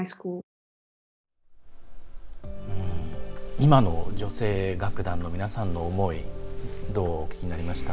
今の女性楽団の思いどうお聞きになりました？